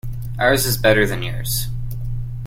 Ours is better than yours.